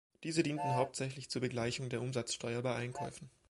Diese dienten hauptsächlich zur Begleichung der Umsatzsteuer bei Einkäufen.